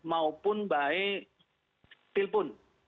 maupun baik telpon